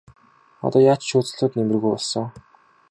Одоо яаж ч хөөцөлдөөд нэмэргүй болсон.